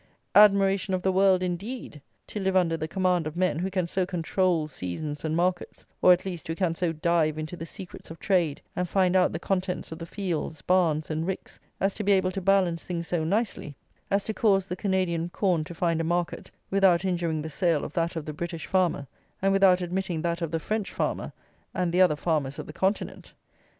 "Admiration of the world," indeed, to live under the command of men who can so control seasons and markets; or, at least, who can so dive into the secrets of trade, and find out the contents of the fields, barns, and ricks, as to be able to balance things so nicely as to cause the Canadian corn to find a market, without injuring the sale of that of the British farmer, and without admitting that of the French farmer and the other farmers of the continent!